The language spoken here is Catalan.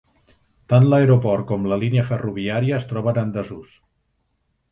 Tant l'aeroport com la línia ferroviària es troben en desús.